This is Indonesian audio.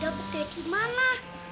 dapet dari aladin ya